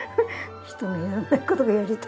人のやらない事がやりたい。